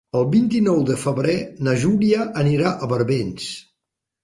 El vint-i-nou de febrer na Júlia anirà a Barbens.